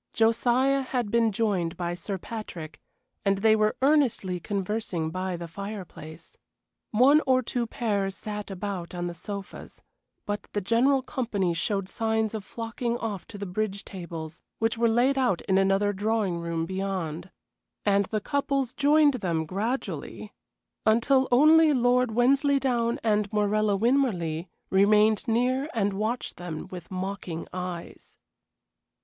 Josiah had been joined by Sir Patrick, and they were earnestly conversing by the fireplace. One or two pairs sat about on the sofas; but the general company showed signs of flocking off to the bridge tables, which were laid out in another drawing room beyond. And the couples joined them gradually, until only Lord Wensleydown and Morella Winmarleigh remained near and watched them with mocking eyes.